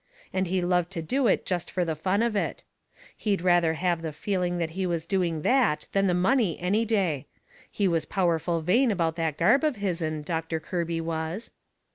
And he loved to do it jest fur the fun of it. He'd rather have the feeling he was doing that than the money any day. He was powerful vain about that gab of his'n, Doctor Kirby was.